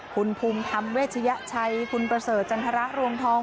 คุณภูมิธรรมเวชยชัยคุณประเสริฐจันทรรวงทอง